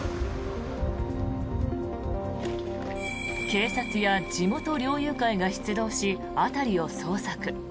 警察や地元猟友会が出動し辺りを捜索。